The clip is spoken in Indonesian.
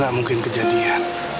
gak mungkin kejadian